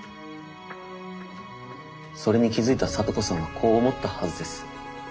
それに気付いた咲都子さんはこう思ったはずです。